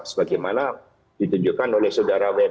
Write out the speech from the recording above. sebagaimana ditunjukkan oleh saudara wmp ketika ditawarkan